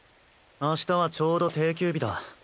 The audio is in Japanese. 明日はちょうど定休日だ。